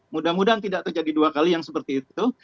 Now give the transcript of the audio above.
mudah mudahan tidak terjadi dua kali yang seperti itu